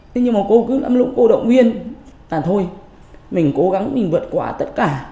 thế nhưng mà cô cứ ngắm lúc cô động viên tàn thôi mình cố gắng mình vượt qua tất cả